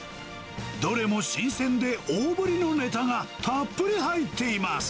どれも新鮮で大ぶりのネタがたっぷり入っています。